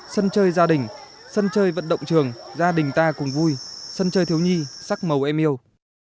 sân chơi gia đình sân chơi vận động trường gia đình ta cùng vui sân chơi thiếu nhi sắc màu em yêu